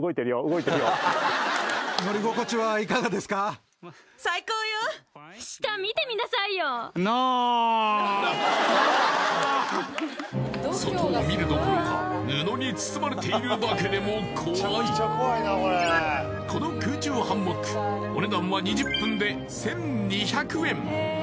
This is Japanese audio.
動いてるよ外を見るどころか布に包まれているだけでも怖いこの空中ハンモックお値段は２０分で１２００円